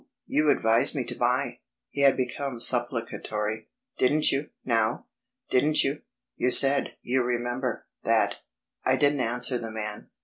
you advised me to buy." He had become supplicatory. "Didn't you, now?... Didn't you.... You said, you remember ... that...." I didn't answer the man.